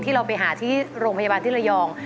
เราไปหาที่โรงพยาบาลที่ระยอง